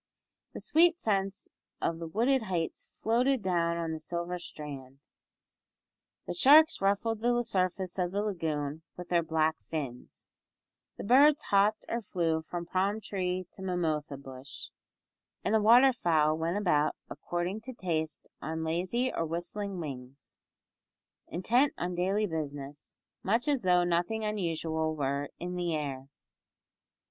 The sweet scents of the wooded heights floated down on the silver strand; the sharks ruffled the surface of the lagoon with their black fins, the birds hopped or flew from palm tree to mimosa bush, and the waterfowl went about according to taste on lazy or whistling wings, intent on daily business, much as though nothing unusual were "in the air."